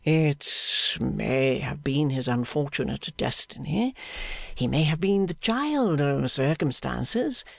'It may have been his unfortunate destiny. He may have been the child of circumstances.